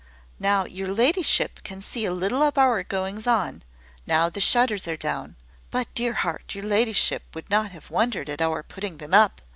Now your ladyship can see a little of our goings on now the shutters are down: but, dear heart! your ladyship would not have wondered at our putting them up.